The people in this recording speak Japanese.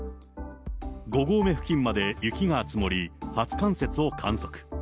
５合目付近まで雪が積もり、初冠雪を観測。